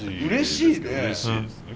うれしいですね！